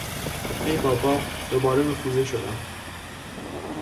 ای بابا، دوباره رفوزه شدم!